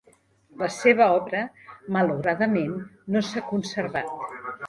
La seva obra malauradament no s'ha conservat.